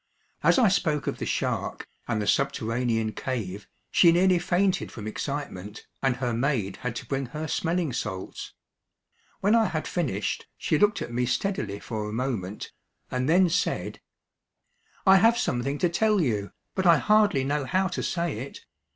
As I spoke of the shark, and the subterranean cave, she nearly fainted from excitement, and her maid had to bring her smelling salts. When I had finished, she looked at me steadily for a moment, and then said: "I have something to tell you, but I hardly know how to say it.